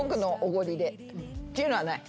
っていうのはない？